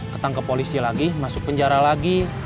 ketangkep polisi lagi masuk penjara lagi